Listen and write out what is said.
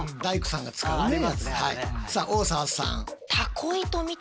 さあ大沢さん。